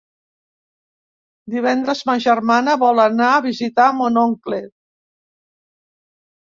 Divendres ma germana vol anar a visitar mon oncle.